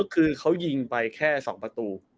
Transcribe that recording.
คือเขายิงไปแค่๒ประตู